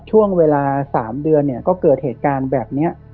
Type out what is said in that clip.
ช่วงเวลา๓เดือนเนี่ยก็เกิดเหตุการณ์แบบนี้